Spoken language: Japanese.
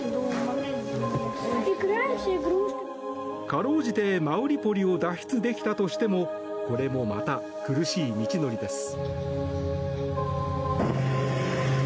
辛うじてマリウポリを脱出できたとしてもこれもまた、苦しい道のりです。